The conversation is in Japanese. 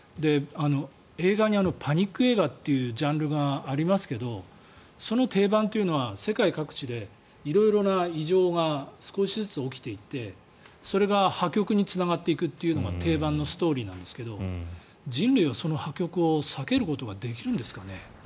映画にパニック映画というジャンルがありますけどその定番というのは世界各地で色々な異常が少しずつ起きていってそれが破局につながっていくというのが定番のストーリーなんですが人類はその破局を避けることができるんですかね。